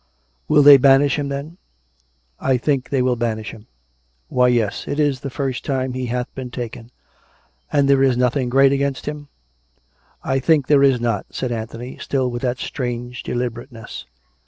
" Will they banish him, then ?"" I think they will banish him." COME RACK ! COME ROPE ! 265 " Why, yes — it is the first time he hath been taken. And there is nothing great against him? "" I think there is not/' said Anthony, still with that strange deliberateness.